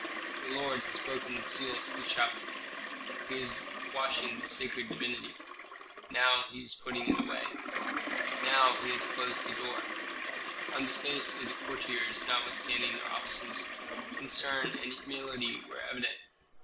"The lord has broken the seal to the chapel He is washing the sacred divinity Now he is putting it away Now he has closed the door " On the faces of courtiers, notwithstanding their offices, concern and humility were evident.